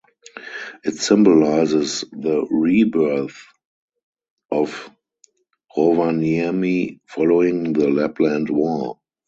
It symbolises the rebirth of Rovaniemi following the Lapland War.